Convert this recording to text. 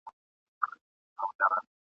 آزادي هلته نعمت وي د بلبلو ..